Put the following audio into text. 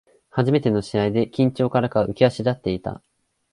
初めての試合で緊張からか浮き足立っていた